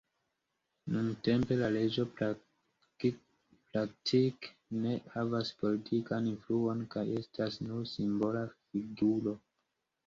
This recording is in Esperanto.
Nuntempe la reĝo praktike ne havas politikan influon kaj estas nur simbola figuro.